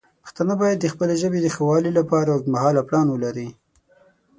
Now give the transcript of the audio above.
پښتانه باید د خپلې ژبې د ښه والی لپاره اوږدمهاله پلان ولري.